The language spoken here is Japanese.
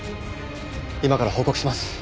今から報告します。